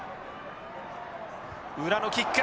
裏のキック。